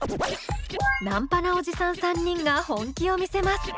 ナンパなおじさん３人が本気を見せます。